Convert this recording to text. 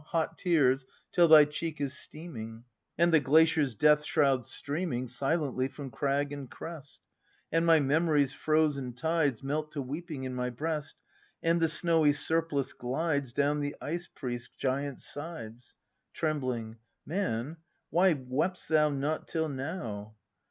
Hot tears, till thy cheek is steaming, — And the glacier's death shroud streaming Silently from crag and crest, — And my memory's frozen tides Melt to weeping in my breast, — And the snowy surplice glides Down the Ice priest's giant sides — [Trembling.] Man, why wept'st thou not till now